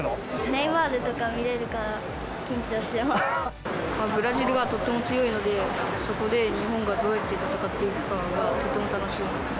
ネイマールとか見れるから緊ブラジルがとっても強いので、そこで日本がどうやって戦っていくかがとても楽しみです。